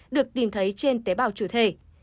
được tìm thấy trên tế bào trừ thể